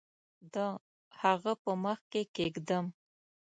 د هغه په مخ کې کښېږدم